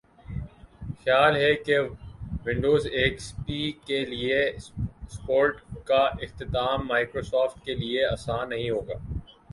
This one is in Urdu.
خیال ہے کہ ونڈوز ایکس پی کے لئے سپورٹ کااختتام مائیکروسافٹ کے لئے آسان نہیں ہوگا